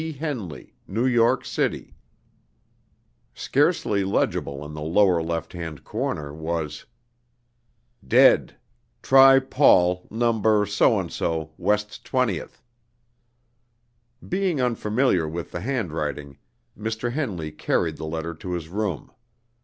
Henley, New York City_." Scarcely legible, in the lower left hand corner, was: "Dead. Try Paul, No. , W. 20th." Being unfamiliar with the handwriting, Mr. Henley carried the letter to his room.